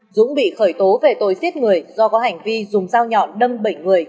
dũng bị khởi tố về tội giết người do có hành vi dùng dao nhọn đâm bảy người